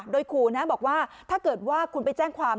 โดยขู่นะบอกว่าถ้าเกิดว่าคุณไปแจ้งความ